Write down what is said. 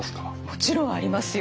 もちろんありますよ。